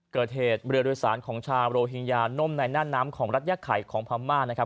เกิดเหตุเรือโดยสารของชาวโรฮิงญานมในหน้าน้ำของรัฐยาไข่ของพม่านะครับ